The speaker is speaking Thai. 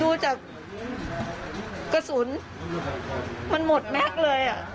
ดูจากกระสุนมันหมดแม็กซ์เลยอ่ะ